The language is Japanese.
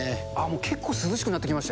もう結構涼しくなってきまし